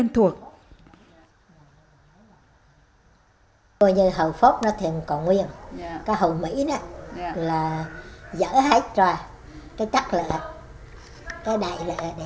nó có cái